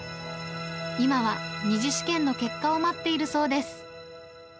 今は２次試験の結果を待ってそうです。